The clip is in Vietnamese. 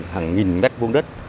hàng nghìn mét buông đất